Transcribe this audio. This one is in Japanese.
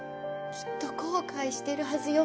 きっと後悔してるはずよ